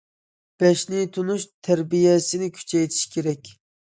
« بەشنى تونۇش» تەربىيەسىنى كۈچەيتىش كېرەك.